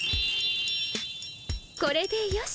これでよし。